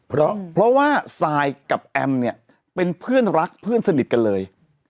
เพราะว่าซายกับแอมเนี่ยเป็นเพื่อนรักเพื่อนสนิทกันเลย